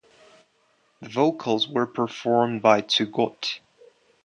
The vocals were performed by Zygott.